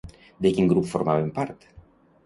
De quin grup formaven part?